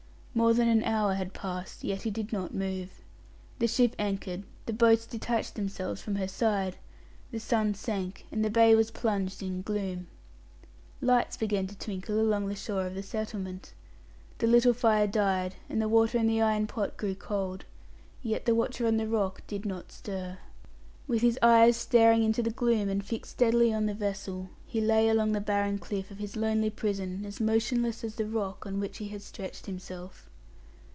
More than an hour had passed, yet he did not move. The ship anchored, the boats detached themselves from her sides, the sun sank, and the bay was plunged in gloom. Lights began to twinkle along the shore of the settlement. The little fire died, and the water in the iron pot grew cold; yet the watcher on the rock did not stir. With his eyes staring into the gloom, and fixed steadily on the vessel, he lay along the barren cliff of his lonely prison as motionless as the rock on which he had stretched himself.